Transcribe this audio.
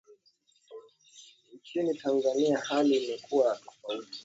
nchini Tanzania hali imekuwa ya tofauti